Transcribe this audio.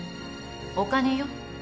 お金よ。